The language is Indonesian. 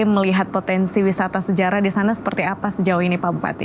melihat potensi wisata sejarah di sana seperti apa sejauh ini pak bupati